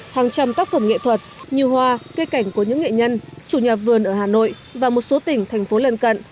hàng trăm tác phẩm nghệ thuật như hoa cây cảnh của những nghệ nhân chủ nhà vườn ở hà nội và một số tỉnh thành phố lân cận